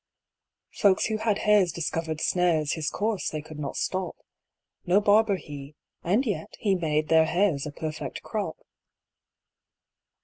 Folks who had hares discovered snares His course they could not stop: No barber he, and yet he made Their hares a perfect crop.